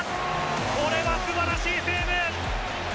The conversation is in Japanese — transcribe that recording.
これは素晴らしいセーブ！